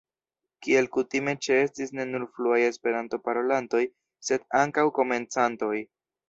Kiel kutime ĉeestis ne nur fluaj Esperanto-parolantoj sed ankaŭ komencantoj.